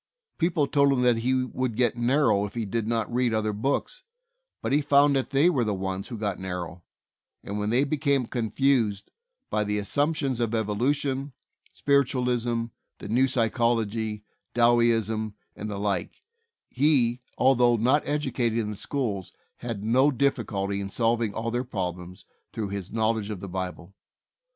People told him that he would get narrow if he did not read other books, but he found that they were the ones who got narrow, and when they became confused by the assump tions of evolution, spiritualism, the new psy chology, Dowieism, and the like, he, although not educated in the schools, had no difficulty in solving all their problems through his knowledge of the Bible.